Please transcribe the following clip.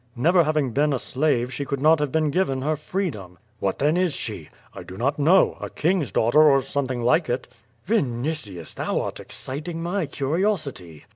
"Never having been a slave, she could not have been given her freedom." ^/"What, then, is she?" /"I do not know; a king's daughter, or something like it." "Vinitius, thou art exciting my curiosity."